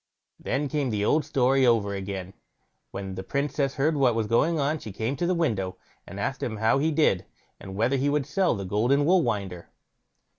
Then came the old story over again. When the Princess heard what was going on, she came to the window, and asked him how he did, and whether he would sell the golden wool winder?